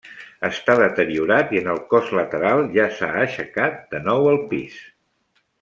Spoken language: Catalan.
Està deteriorat i en el cos lateral ja s'ha aixecat de nou el pis.